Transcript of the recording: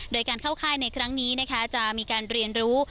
โดยการเข้าค่ายในครั้งนี้นะคะจะมีการเรียนรู้